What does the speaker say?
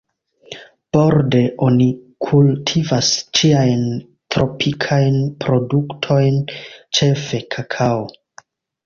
Borde oni kultivas ĉiajn tropikajn produktojn, ĉefe kakao.